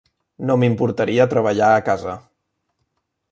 No m'importaria treballar a casa.